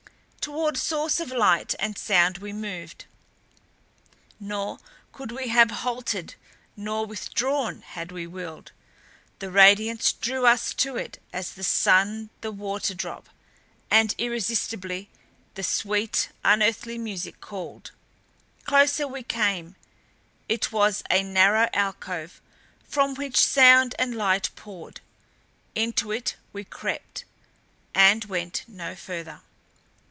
Toward source of light and sound we moved, nor could we have halted nor withdrawn had we willed; the radiance drew us to it as the sun the water drop, and irresistibly the sweet, unearthly music called. Closer we came it was a narrow alcove from which sound and light poured into it we crept and went no further.